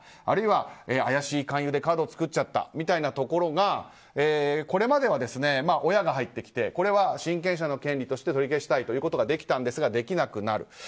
あるいは怪しい勧誘でカードを作っちゃったみたいなところがこれまでは親が入ってきてこれは親権者の権利として取り消したいということができたんですが、できなくなる。